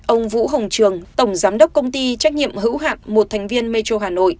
ông vũ hồng trường tổng giám đốc công ty trách nhiệm hữu hạn một thành viên metro hà nội